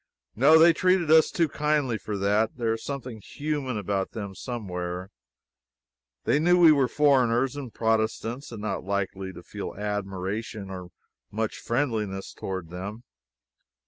No, they treated us too kindly for that. There is something human about them somewhere. They knew we were foreigners and Protestants, and not likely to feel admiration or much friendliness toward them.